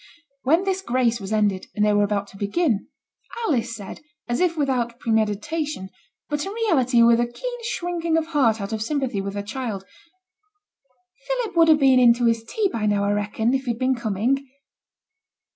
When this grace was ended, and they were about to begin, Alice said, as if without premeditation, but in reality with a keen shrinking of heart out of sympathy with her child 'Philip would have been in to his tea by now, I reckon, if he'd been coming.'